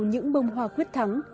những bông hoa quyết thắng